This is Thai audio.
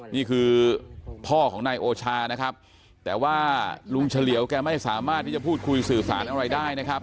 นี่คือพ่อของนายโอชานะครับแต่ว่าลุงเฉลียวแกไม่สามารถที่จะพูดคุยสื่อสารอะไรได้นะครับ